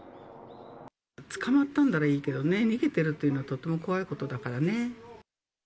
捕まったんならいいけどね、逃げているというのは、とっても怖いことだからね。